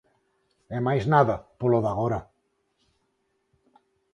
E máis nada, polo de agora.